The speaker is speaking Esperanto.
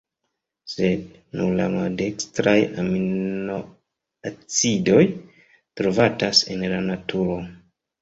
Sed, nur la maldekstraj aminoacidoj trovatas en la naturo.